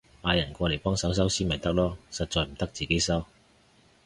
嗌人過嚟幫手收屍咪得囉，實在唔得自己收